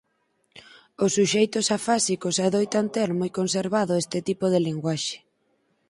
Os suxeitos afásicos adoitan ter moi conservado este tipo de linguaxe.